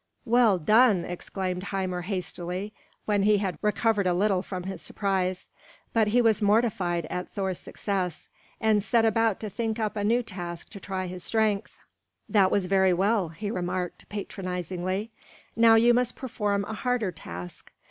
"Well done!" exclaimed Hymir hastily, when he had recovered a little from his surprise. But he was mortified at Thor's success, and set about to think up a new task to try his strength. "That was very well," he remarked patronizingly; "now you must perform a harder task.